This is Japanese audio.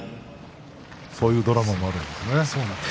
そういうドラマもあるんですね。